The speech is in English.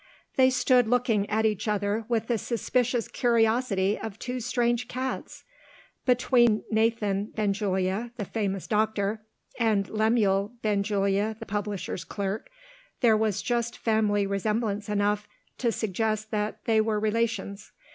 They stood looking at each other with the suspicious curiosity of two strange cats. Between Nathan Benjulia, the famous doctor, and Lemuel Benjulia, the publisher's clerk, there was just family resemblance enough to suggest that they were relations.